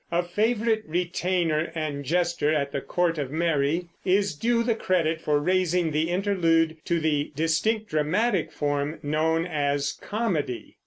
a favorite retainer and jester at the court of Mary, is due the credit for raising the Interlude to the distinct dramatic form known as comedy.